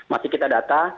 masih kita data